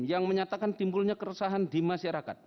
yang menyatakan timbulnya keresahan di masyarakat